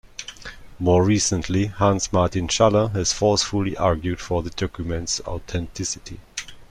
More recently, Hans Martin Schaller has forcefully argued for the document's authenticity.